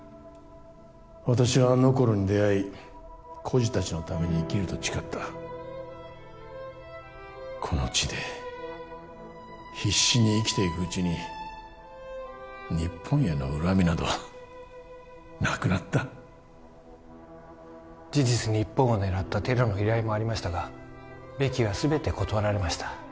私はノコルに出会い孤児達のために生きると誓ったこの地で必死に生きていくうちに日本への恨みなどなくなった事実日本を狙ったテロの依頼もありましたがベキは全て断られました